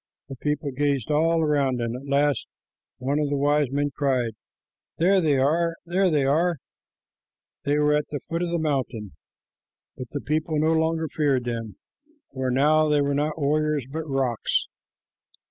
The people gazed all around, and at last one of the wise men cried, "There they are, there they are!" They were at the foot of the mountain, but the people no longer feared them, for now they were not warriors but rocks.